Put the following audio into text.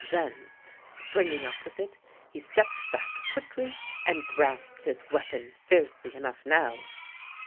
Then, springing up with it, he stepped back quickly and grasped his weapon fiercely enough now.